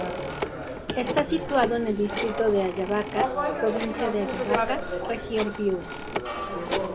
Está situado en el Distrito de Ayabaca, provincia de Ayabaca, Región Piura.